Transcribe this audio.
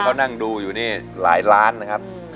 เขานั่งดูอยู่นี่หลายล้านนะครับ